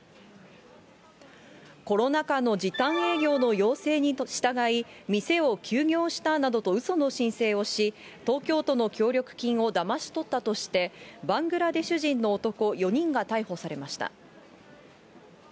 コロナ禍の時短営業の要請に従い、店を休業したなどとうその申請をし、東京都の協力金をだまし取ったとして、バングラデシュ人の男４人が逮捕されました。